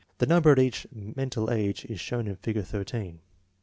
The number at each mental age is shown in Figure 13.